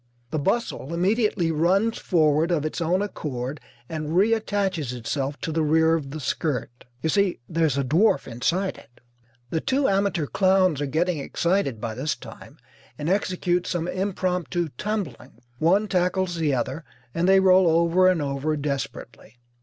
The bustle immediately runs forward of its own accord and reattaches itself to the rear of the skirt. You see, there is a dwarf inside it. The two amateur clowns are getting excited by this time and execute some impromptu tumbling. One tackles the other and they roll over and over desperately.